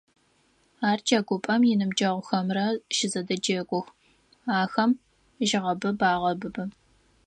Ар джэгупӏэм иныбджэгъухэмрэ щызэдэджэгух, ахэм жьыгъэбыб агъэбыбы.